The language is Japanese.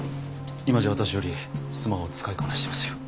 今じゃ私よりスマホを使いこなしてますよ。